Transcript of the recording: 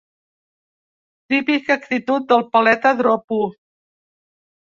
Típica actitud del paleta dropo.